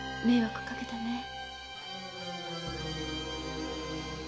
迷惑かけたね。